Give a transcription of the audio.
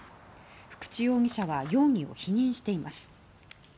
福地容疑者は容疑を否認しています。